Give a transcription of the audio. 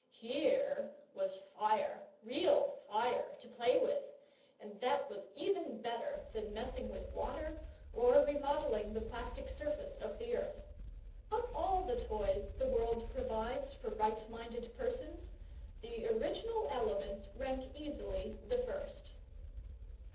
Here was fire, real fire, to play with, and that was even better than messing with water, or remodelling the plastic surface of the earth. Of all the toys the world provides for right minded persons, the original elements rank easily the first.